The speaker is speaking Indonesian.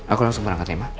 aku langsung berangkat ya ma